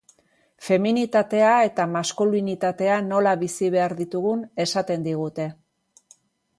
Feminitatea eta maskulinitatea nola bizi behar ditugun esaten digute.